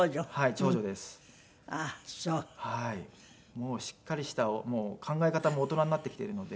もうしっかりした考え方も大人になってきているので。